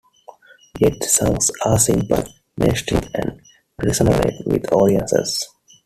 Yet the songs are simple, mainstream and resonate with audiences.